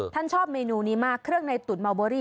ท่านชอบเมนูนี้มากเครื่องในตุ๋นมาล์เบอร์รี่